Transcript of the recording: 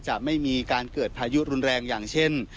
จะไม่มีการเกิดพายุรุนแรงอย่างเช่น